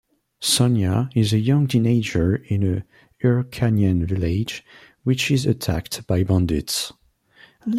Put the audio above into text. Sonja is a young teenager in a Hyrkanian village which is attacked by bandits.